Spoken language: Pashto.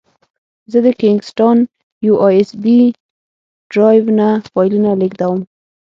زه د کینګ سټان یو ایس بي ډرایو نه فایلونه لېږدوم.